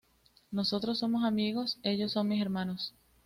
Nosotros somos amigos, ellos son mis hermanos".